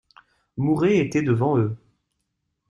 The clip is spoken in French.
Mouret était devant eux.